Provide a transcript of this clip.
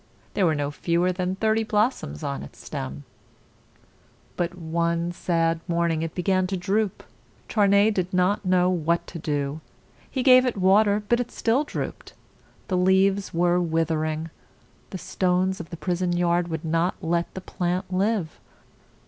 There were no fewer than thirty blossoms on its stem. But one sad morning it began to droop. Charney did not know what to do. He gave it water, but still it drooped. The leaves were with er ing. The stones of the prison yard would not let the plant live.